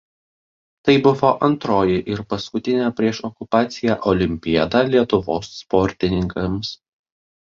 Tai buvo antroji ir paskutinė prieš okupaciją olimpiada Lietuvos sportininkams.